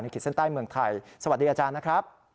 ขีดเส้นใต้เมืองไทยสวัสดีอาจารย์นะครับ